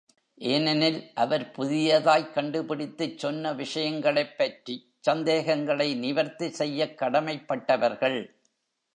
ஏனெனில் அவர் புதியதாய்க் கண்டுபிடித்துச் சொன்ன விஷயங்களைப் பற்றிச் சந்தேகங்களை நிவர்த்தி செய்யக் கடமைப்பட்டவர்கள்.